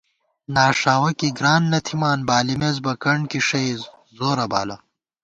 ناݭاوَہ کی گران نہ تھِمان بالِمېس بہ کݨکی ݭئ زورہ بالہ